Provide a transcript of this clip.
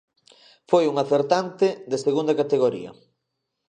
Foi un acertante de segunda categoría.